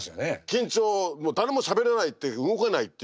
緊張誰もしゃべれないっていう動かないっていうか